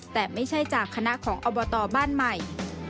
แต่ไม่ใช่จากคณะของอบตบ้านใหม่